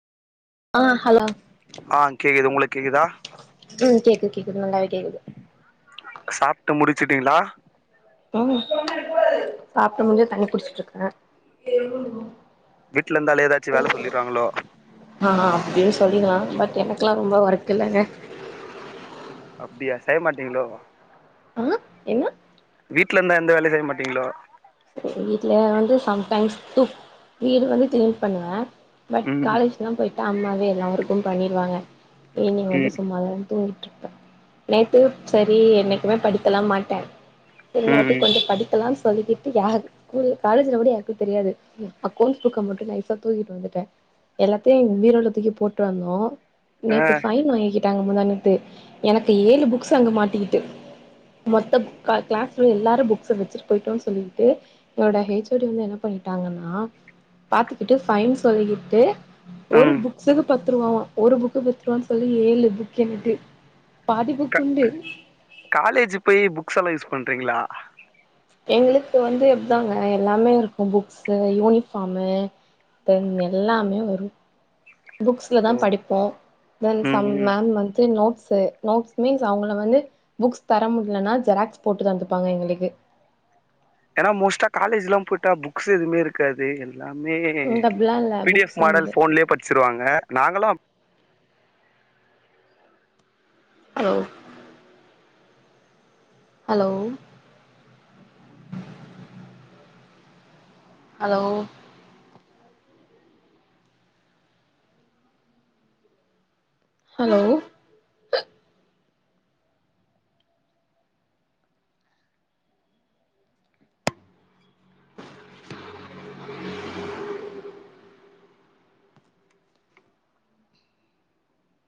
ஆ hello ஆ கேக்குது உங்களுக் கேக்குதா ம் கேக்குது கேக்குது நல்லாவே கேக்குது சாப்ட்டு முடிச்சுட்டீங்ளா ம் சாப்டு முடிஞ்சு தண்ணி புடிச்சிட்டு இருக்கே ம் வீட்ல இருந்தாலே ஏதாச்சு வேல சொல்லிறாங்ளோ ஆ அப்டின் சொல்லிக்லா பட் எனக்குலா ரொம்ப ஒர்க் இல்லங்க அப்டியா செய மாட்டீங்ளோ ஆ என்ன வீட்ல இருந்தா எந்த வேலயு செய்ய மாட்டீங்களோ வீட்ல வந்து சம்டைம்ஸ் துக் வீடு வந்து க்ளீன் பண்ணுவ பட் ம் காலேஜ் லா போய்ட்டா அம்மாவே எல்லா ஒர்க்கு பண்ணிருவாங்க ஈவ்னிங் வந்து ம் சும்மாதா தூங்கிட்ருப்ப நேத்து சரி என்னைக்குமே படிக்கலா மாட்ட இந்த ம் வாட்டி ம் கொஞ்சோ படிக்கலான் சொல்லிகிட் டு யார் கூலு காலேஜ்ல கூட யார்க்கு தெரியாது அக்கோண்ஸ் புக்க மட்டு நைசா தூக்கிட்டு வந்துட்ட எல்லாத்தையு பீரோல தூக்கி போட்டு வந்தோ ஆ நேத்து ஃபைன் வாங்கி டாங்க முந்தானேத்து எனக்கு ஏழு புக்ஸ் அங்க மாட்டிக்கிட்டு மொத்தம் க க்ளஸ்ல எல்லாரு புக்ஸ்ச வச்சிட்டு போய்ட்டோன் சொல்லு எ என்னோட ஹேச்சோடி வந்து என்ன பண்ணிட்டாங்கன்னா பாத்துக்கிட்டு ஃபைன் சொல்லிக்கிட்டு ஒரு ம் புக்ஸ்கு பத்து ரூவாவா ஒரு புக்கு பத்து ரூவான் சொல்லி ஏழு புக்ன்ட்டு பாதி புக்குண்டு காலேஜு போய் புக்ஸ் எல்லா யூஸ் பண்றீங்ளா எங்களுக்கு வந்து எப்தாங்க எல்லாமே இருக்கு புக்ஸு யூனிஃபாமுு தென் எல்லாமே வரு புக்ஸ்லதா ஓ படிப்போ தென் ம் சம் ம் மேம் வந்து நோட்ஸ்சு நோட்ஸ் மீன்ஸ் அவுங்கள வந்து புக்ஸ் தர முட்லனா ஜெராக்ஸ் போட்டு தந்துப்பாங்க எங்களுக்கு ஏனா மோஸ்டா காலேஜ்குலா போய்ட்டா புக்ஸ் எதுமே இருக்காது எல்லாமே ம் அப்டிலா இல்ல P D F books model உண்டு ஃபோன்லே படிச்ருவாங்க நாங்களு ஓ ஹலோ ஹலோ ஹலோ